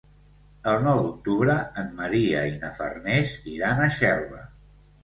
El nou d'octubre en Maria i na Farners iran a Xelva.